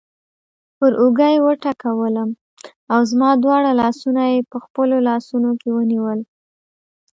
پر اوږه یې وټکولم او زما دواړه لاسونه یې په خپلو لاسونو کې ونیول.